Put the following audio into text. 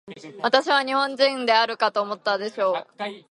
私は日本人であるかと思ったでしょう。